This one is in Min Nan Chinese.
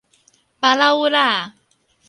芭荖鬱仔